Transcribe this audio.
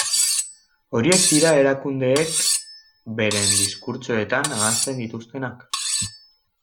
Horiek dira erakundeek beren diskurtsoetan ahazten dituztenak.